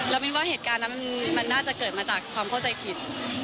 แล้วมินว่าเหตุการณ์นั้นมันน่าจะเกิดมาจากความเข้าใจผิด